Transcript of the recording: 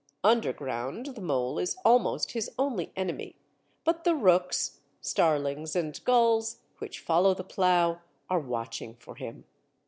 Underground, the mole is almost his only enemy, but the rooks, starlings, and gulls, which follow the plough, are watching for him.